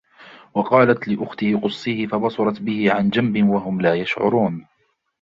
وقالت لأخته قصيه فبصرت به عن جنب وهم لا يشعرون